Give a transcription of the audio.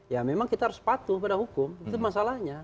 ya memang kita harus patuh pada hukum itu masalahnya